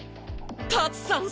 タツさん